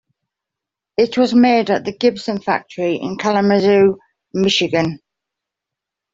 It was made at the Gibson Factory in Kalamazoo, Michigan.